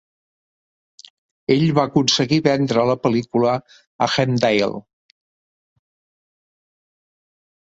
Ell va aconseguir vendre la pel·lícula a Hemdale.